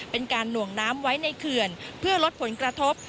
เป็นการหน่วงน้ำไว้ในเขื่อนเพื่อลดผลกระทบ